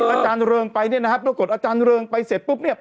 อาจารย์เริงไปเนี่ยนะฮะปรากฏอาจารย์เริงไปเสร็จปุ๊บเนี่ย